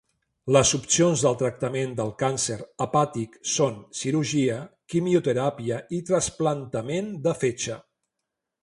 Les opcions del tractament del càncer hepàtic són cirurgia, quimioteràpia i trasplantament de fetge.